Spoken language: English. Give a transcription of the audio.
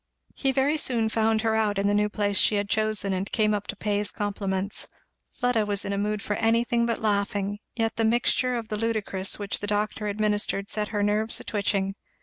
He very soon found her out in the new place she had chosen and came up to pay his compliments. Fleda was in a mood for anything but laughing, yet the mixture of the ludicrous which the doctor administered set her nerves a twitching.